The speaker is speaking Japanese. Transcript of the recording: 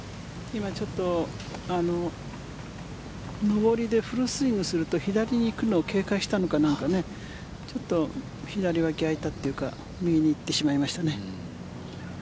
今、ちょっと上りでフルスイングすると左に行くのを警戒したのかちょっと左脇、開いたというか右に行ってしまいましたね。